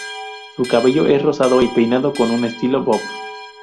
Su cabello es rosado, y peinado con un estilo bob.